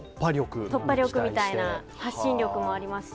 突破力みたいな、発信力もありますし。